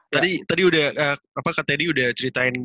tadi tadi udah apa kak teddy udah ceritain